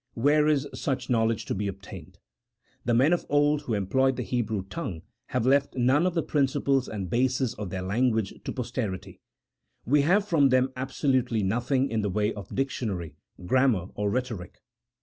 Where is such knowledge to be obtained? The men of old who employed the Hebrew tongue have left none of the prin ciples and bases of their language to posterity ; we have from them absolutely nothing in the way of dictionary, grammar, or rhetoric.